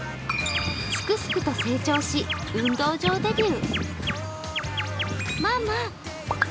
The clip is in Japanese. すくすくと成長し運動場デビュー。